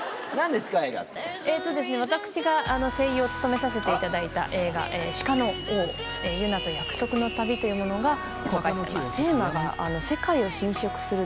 私が声優を務めさせていただいた映画『鹿の王ユナと約束の旅』というものが公開されます。